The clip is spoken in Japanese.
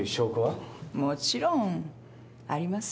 もちろんありますよ。